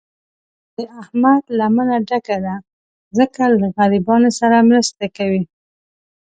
د احمد لمنه ډکه ده، ځکه له غریبانو سره مرستې کوي.